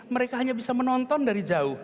mereka hanya bisa menonton dari jauh